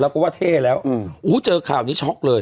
เราก็ว่าเท่แล้วอู้เจอข่าวไหมช็อกเลย